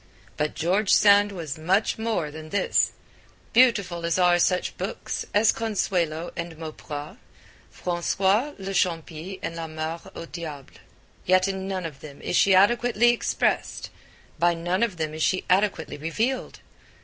But George Sand was much more than this. Beautiful as are such books as Consuelo and Mauprat, Francois le Champi and La Mare au Diable, yet in none of them is she adequately expressed, by none of them is she adequately revealed.